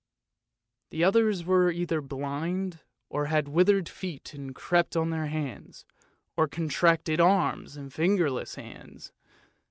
The others were either blind, or had withered feet and crept on their hands, or contracted arms and fingerless hands.